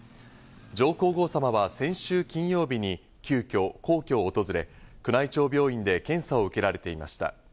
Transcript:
上皇后さまは先週金曜日に急きょ、皇居を訪れ宮内庁病院で検査を受けられていました。